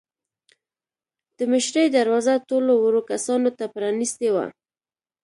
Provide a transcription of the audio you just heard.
د مشرۍ دروازه ټولو وړو کسانو ته پرانیستې وه.